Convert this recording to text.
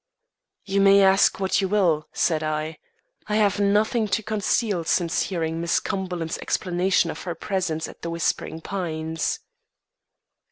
"You may ask what you will," said I. "I have nothing to conceal, since hearing Miss Cumberland's explanation of her presence at The Whispering Pines."